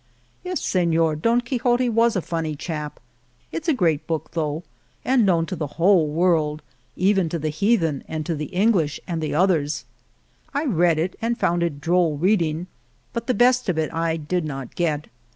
"Yes, Sefior, Don Quixote was a funny chap. It's a great book though and known to the whole world, even to the heathen and to the English and the others. I read it and found it droll reading, but the best of it I did not get.